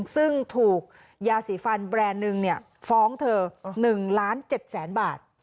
ซึ่งถูกยาสีฟันแบรนด์หนึ่งฟ้องเธอ๑ล้าน๗แสนบาท